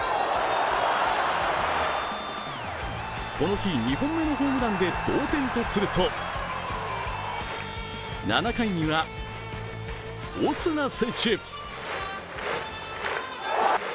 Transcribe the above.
この日２本目のホームランで同点とすると７回にはオスナ選手。